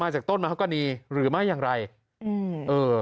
จากต้นมหากณีหรือไม่อย่างไรอืมเออ